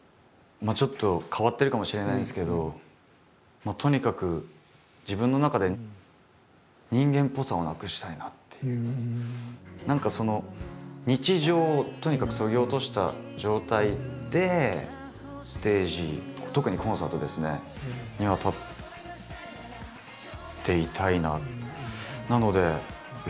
まあちょっと変わってるかもしれないんですけどもうとにかく自分の中で何か日常をとにかくそぎ落とした状態でステージ特にコンサートですねには立っていたいなと。